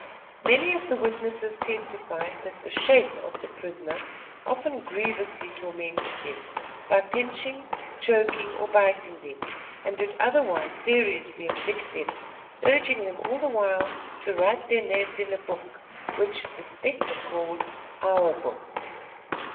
Many of the witnesses testified that the "shape" of the prisoner often grievously tormented them, by pinching, choking, or biting them, and did otherwise seriously afflict them, urging them all the while to write their names in a book, which "the spectre" called: "Our book."